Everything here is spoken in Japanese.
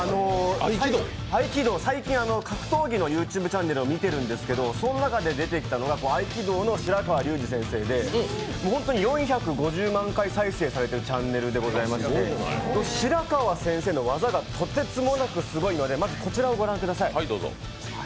合気道、最近、格闘技のＹｏｕＴｕｂｅチャンネルを見ているんですけどその中で出てきたのが合気道の白川竜次先生で本当に４５０万回再生されているチャンネルでございまして白川先生の技がとてつもなくすごいので、ご覧ください。